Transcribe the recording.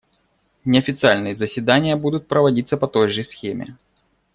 Неофициальные заседания будут проводиться по той же схеме.